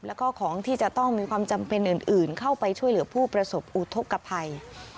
แล้วก็ของที่จะต้องมีความจำเป็นอื่นเข้าไปช่วยเหลือผู้ประสบอุทธกภัย